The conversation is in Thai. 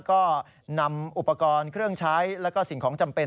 ก็นำอุปกรณ์เครื่องใช้แล้วก็สิ่งของจำเป็น